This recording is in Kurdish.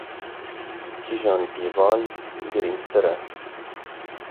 Kîjan pîvan girîngtir e?